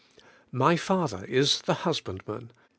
*My Father is the Husbandman.